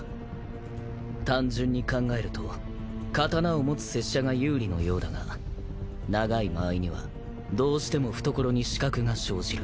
単純に考えると刀を持つ拙者が有利のようだが長い間合いにはどうしても懐に死角が生じる。